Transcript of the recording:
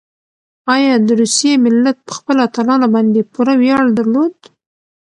ایا د روسیې ملت په خپلو اتلانو باندې پوره ویاړ درلود؟